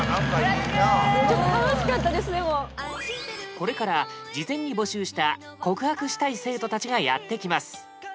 これから事前に募集した告白したい生徒たちがやってきます